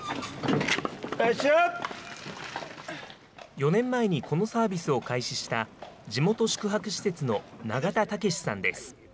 ４年前にこのサービスを開始した、地元宿泊施設の永田剛さんです。